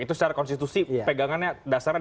itu secara konstitusi pegangannya dasarnya